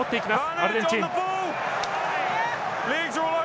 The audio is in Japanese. アルゼンチン。